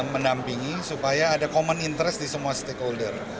menampingi supaya ada common interest di semua stakeholder